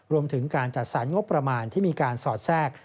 รวมถึงการจัดสรรงบประมาณที่มีการสอดแทรก